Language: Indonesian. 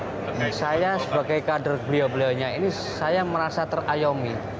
tapi saya sebagai kader beliau beliau nya ini saya merasa terayomi